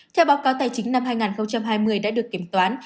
theo báo cáo tài chính năm hai nghìn hai mươi đã được kiểm toán